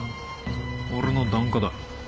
俺の檀家だ。